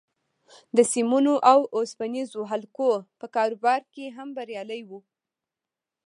د سيمونو او اوسپنيزو حلقو په کاروبار کې هم بريالی و.